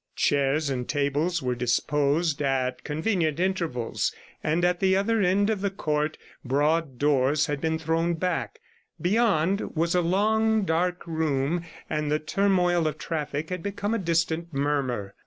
Chairs and tables were disposed at convenient intervals, and at the other end of the court broad doors had been thrown back; beyond was a long, dark room, and the turmoil of traffic had become a distant murmur.